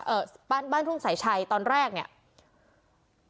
เอ่อบ้านบ้านทุ่งสายชัยตอนแรกเนี่ย